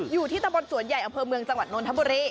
อยู่ที่ตะบนสวนใหญ่อำเภอเมืองจังหวัดนนทบุรี